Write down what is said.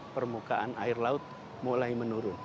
permukaan air laut mulai menurun